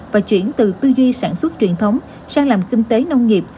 và chuyển từ tư duy sản xuất truyền thống sang làm kinh tế nông nghiệp